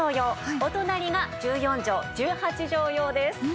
お隣が１４畳１８畳用です。